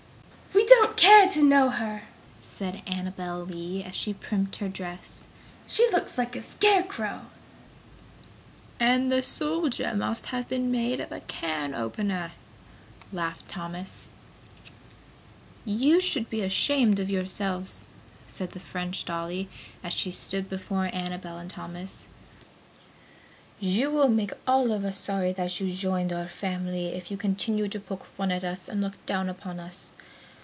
"We don't care to know her!" said Annabel Lee as she primped her dress, "She looks like a scarecrow!" "And the Soldier must have been made with a can opener!" laughed Thomas. "You should be ashamed of yourselves!" said the French dolly, as she stood before Annabel and Thomas, "You will make all of us sorry that you have joined our family if you continue to poke fun at us and look down upon us.